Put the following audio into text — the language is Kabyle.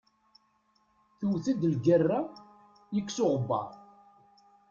Tewwet-d lgerra, yekkes uɣebbar.